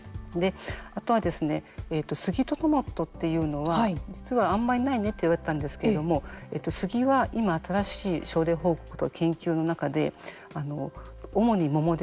あとはですねスギとトマトというのは実はあんまりないねっていわれていたんですけれどもスギは今、新しい症例報告と研究の中で、主にモモですね